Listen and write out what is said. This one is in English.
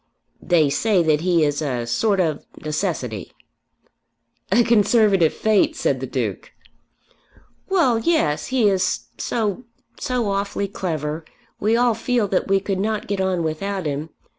"They say that he is a sort of necessity." "A Conservative Fate," said the Duke. "Well, yes; he is so, so awfully clever! We all feel that we could not get on without him.